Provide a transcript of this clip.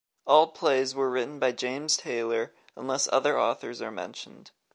All plays were written by James Taylor, unless other authors are mentioned.